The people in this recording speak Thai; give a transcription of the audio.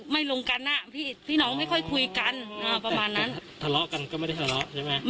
ลงกันอ่ะพี่น้องไม่ค่อยคุยกันอ่าประมาณนั้นทะเลาะกันก็ไม่ได้ทะเลาะใช่ไหม